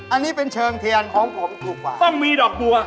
อันนี้เป็นเชิงเทียนของผมถูกกว่าต้องมีดอกบัว